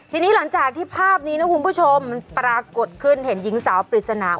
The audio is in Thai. ทีนี้หลังจากที่ภาพนี้นะคุณผู้ชมมันปรากฏขึ้นเห็นหญิงสาวปริศนา